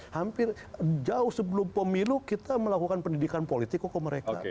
hampir jauh sebelum pemilu kita melakukan pendidikan politik ke mereka